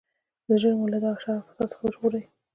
ژر مو له دغه شر او فساد څخه وژغورئ.